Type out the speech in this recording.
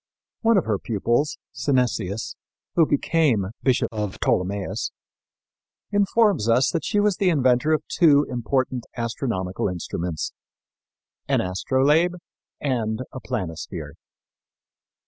One of her pupils, Synesius, who became Bishop of Ptolemais, informs us that she was the inventor of two important astronomical instruments: an astrolabe and a planisphere.